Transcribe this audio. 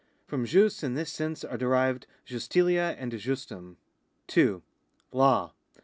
i From jus in tliis souse are derived juslitia and justum. 2. Law.